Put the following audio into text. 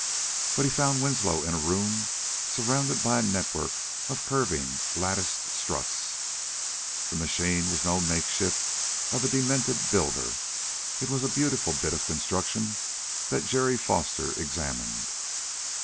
But he found Winslow in a room surrounded by a network of curving, latticed struts. The machine was no makeshift of a demented builder: it was a beautiful bit of construction that Jerry Foster examined.